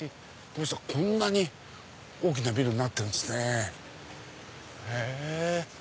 こんなに大きなビルになってるんですね。